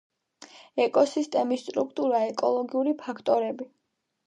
ეკოსისტემის სტრუქტურა ეკოლოგიური ფაქტორები